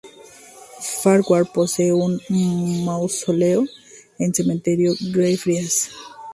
Farquhar posee un mausoleo en Cementerio Greyfriars.